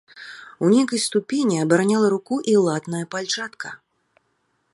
У нейкай ступені абараняла руку і латная пальчатка.